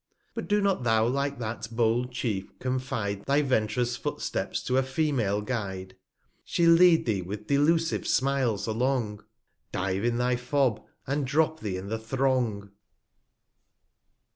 But do not thou, like that bold Chief, confide Thy ventrous Footsteps to a female Guide; She'll lead thee, with delusive Smiles along, ^ Dive in thy Fob, and drop thee in the Throng.